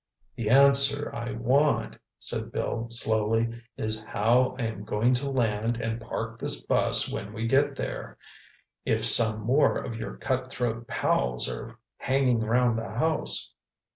"The answer I want," said Bill slowly, "is how I am going to land and park this bus when we get there, if some more of your cut throat pals are hanging round the house."